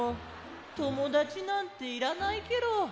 ともだちなんていらないケロ。